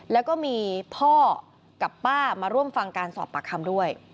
แล้วก็มีพ่อกับป้ามาร่วมฟังการสอบปากคำด้วย